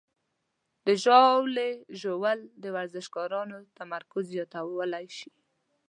د ژاولې ژوول د ورزشکارانو تمرکز زیاتولی شي.